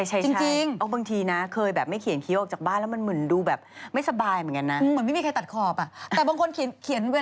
ใช่คุณกริจถ้าสมมุติไม่มีไฟ